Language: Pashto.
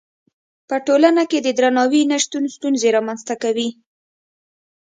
په ټولنه کې د درناوي نه شتون ستونزې رامنځته کوي.